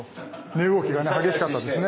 値動きが激しかったですね。